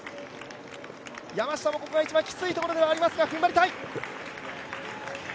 山下もここが一番きついところではありますが、ふんばりたい。